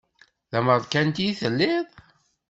D amerkanti i telliḍ?